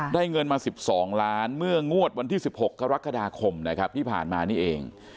เงินมา๑๒ล้านเมื่องวดวันที่๑๖กรกฎาคมนะครับที่ผ่านมานี่เอง